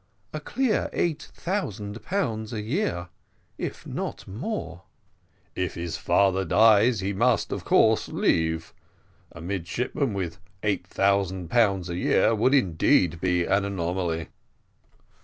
"A clear eight thousand pounds a year, if not more." "If his father dies he must, of course, leave: a midshipman with eight thousand pounds a year would indeed be an anomaly."